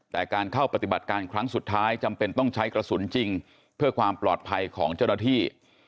แต่การเข้าปฏิบัติการครั้งสุดท้ายจำเป็นต้องใช้กระสุนจริงเพื่อความปลอดภัยของเจ้าหน้าที่